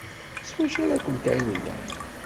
S wacu ara kent-ɛiwneɣ?